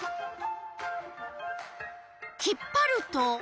引っぱると。